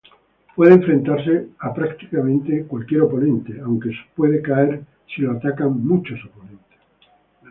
Puede enfrentarse a prácticamente cualquier oponente, aunque puede caer si lo atacan muchos oponentes.